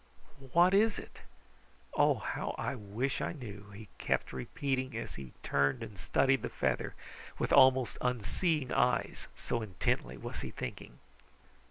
What is it? Oh, how I wish I knew!" he kept repeating as he turned and studied the feather, with almost unseeing eyes, so intently was he thinking.